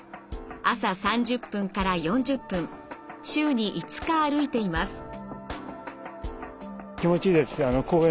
朝３０分から４０分週に５日歩いています。